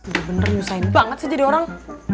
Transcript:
udah bener nyusain banget sih jadi orang